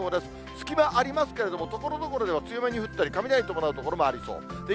隙間ありますけれども、ところどころでは強めに降ったり、雷伴う所もありそうです。